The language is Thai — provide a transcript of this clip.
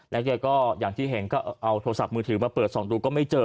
แกก็อย่างที่เห็นก็เอาโทรศัพท์มือถือมาเปิดส่องดูก็ไม่เจอ